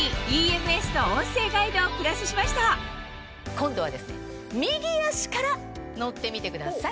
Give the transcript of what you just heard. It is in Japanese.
今度は右足から乗ってみてください。